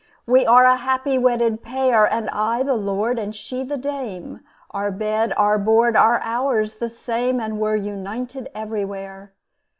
We are a happy wedded pair, And I the lord and she the dame; Our bed our board our hours the same, And we're united everywhere.